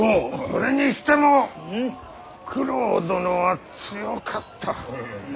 それにしても九郎殿は強かった。